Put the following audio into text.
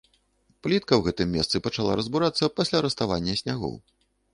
Плітка ў гэтым месцы пачала разбурацца пасля раставання снягоў.